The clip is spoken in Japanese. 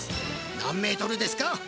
何メートルですか？